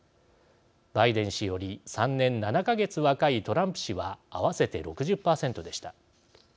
バイデン氏より３年７か月若いトランプ氏は合わせて６０％でした。